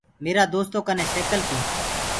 ميرآ دوستو ڪني سيڪل تي۔